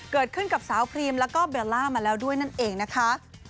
เกิดขึ้นกับสาวพรีมแล้วก็เบลล่ามาแล้วด้วยนั่นเองนะคะ